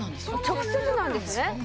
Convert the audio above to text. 直接なんですね。